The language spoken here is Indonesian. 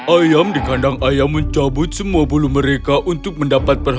ayam di kandang mereka di kandang mendapatkan perhatian brandon live panel award husbands guys kayak buah